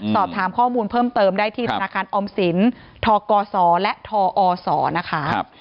สอบถามข้อมูลเพิ่มเติมได้ที่ธนาคารออมสินทกศและทอศนะคะ